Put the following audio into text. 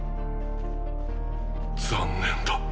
残念だ。